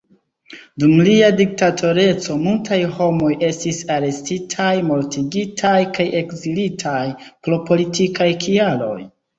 Dum lia diktatoreco, multaj homoj estis arestitaj, mortigitaj kaj ekzilitaj pro politikaj kialoj.